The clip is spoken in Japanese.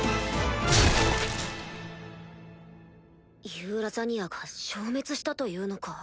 ユーラザニアが消滅したというのか。